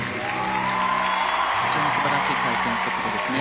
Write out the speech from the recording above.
非常に素晴らしい回転速度ですね。